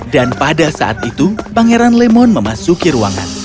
dan pada saat itu pangeran lemon memasuki ruangan